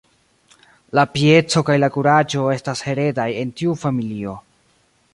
La pieco kaj la kuraĝo estas heredaj en tiu familio.